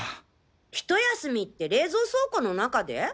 ひと休みって冷蔵倉庫の中で？